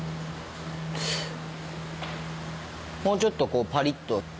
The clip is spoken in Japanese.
もうちょっとこうパリッと。